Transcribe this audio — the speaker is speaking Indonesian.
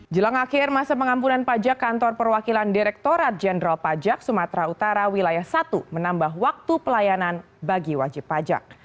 jelang akhir masa pengampunan pajak kantor perwakilan direktorat jenderal pajak sumatera utara wilayah satu menambah waktu pelayanan bagi wajib pajak